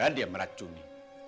jika dia meracuni